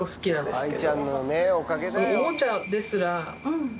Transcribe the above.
おもちゃですら。